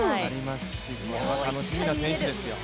これは楽しみな選手ですよ。